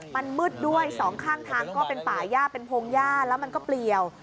มันมืดด้วยสองข้างทางก็เป็นป่าย่าเป็นพงหญ้าแล้วมันก็เปลี่ยว